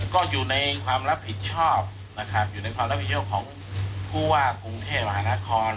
ก็อยู่ในความรับผิดชอบนะครับอยู่ในความรับผิดชอบของผู้ว่ากรุงเทพมหานคร